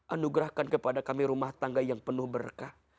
anugerahkan kepada kami rumah tangga yang penuh berkah